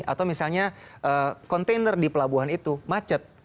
atau misalnya kontainer di pelabuhan itu macet